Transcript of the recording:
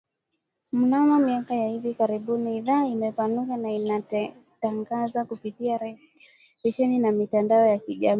Mnamo miaka ya hivi karibuni idhaa imepanuka na inatangaza kupitia redio televisheni na mitandao ya kijamii